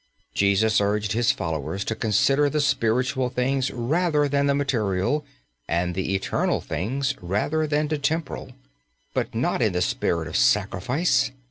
Jesus urged His followers to consider the spiritual things rather than the material, and the eternal things rather than the temporal; but not in the spirit of sacrifice.